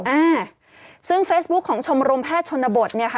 อ่าซึ่งเฟซบุ๊คของชมรมแพทย์ชนบทเนี่ยค่ะ